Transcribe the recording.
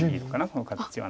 この形は。